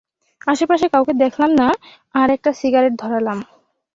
আশেপাশে কাউকে দেখলামনা, আর একটা সিগারেট ধরালাম।